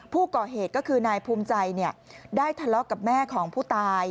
ผู้ก่อเหตุก็คือนายภูมิใจได้ทะเลาะกับแม่ของผู้ตาย